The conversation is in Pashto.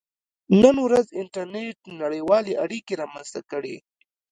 • نن ورځ انټرنېټ نړیوالې اړیکې رامنځته کړې.